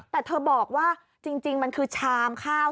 แต่เธอบอกว่าจริงมันคือชามข้าว